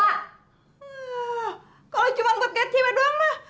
hmm kalau cuma buat bayar cewek doang lah